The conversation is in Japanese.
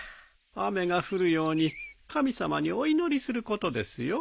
雨が降るように神様にお祈りすることですよ。